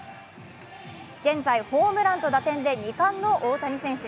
現在ホームランと打点で２冠の大谷選手。